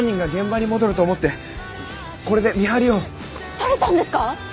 撮れたんですか？